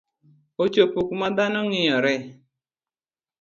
Ochopo kuma dhano ng'iyore